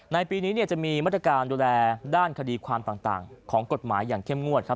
ปีนี้จะมีมาตรการดูแลด้านคดีความต่างของกฎหมายอย่างเข้มงวดครับ